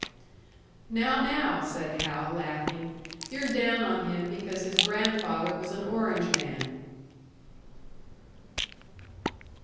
"Now, now!" said Hal, laughing. "You're down on him because his grandfather was an Orangeman!"